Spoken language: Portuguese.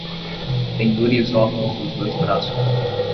Pendure os óculos nos dois braços.